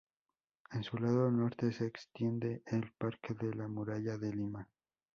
En su lado norte se extiende el Parque de la Muralla de Lima.